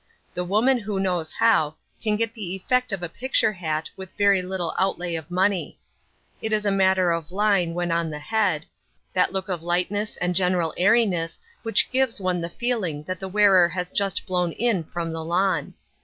The woman who knows how, can get the effect of a picture hat with very little outlay of money. It is a matter of line when on the head, that look of lightness and general airiness which gives one the feeling that the wearer has just blown in from the lawn!